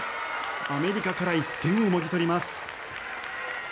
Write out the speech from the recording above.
アメリカから１点をもぎ取ります。